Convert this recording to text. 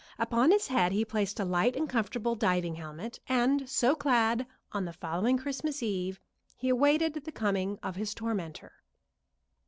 Upon his head he placed a light and comfortable diving helmet, and so clad, on the following Christmas Eve he awaited the coming of his tormentor.